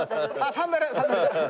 サンダルサンダル。